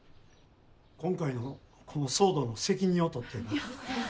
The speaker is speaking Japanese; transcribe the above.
今回のこの騒動の責任を取ってやな。